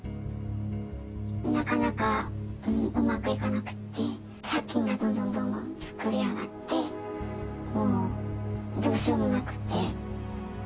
なかなかうまくいかなくて、借金がどんどん膨れ上がっていって、もうどうしようもなくて。